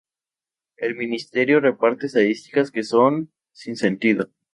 El Ministerio reparte estadísticas que son "sin sentido".